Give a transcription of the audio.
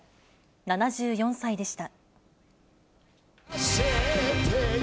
７４歳でした。